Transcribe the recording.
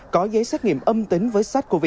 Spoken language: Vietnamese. có giấy xét nghiệm âm tính với sách nhân viên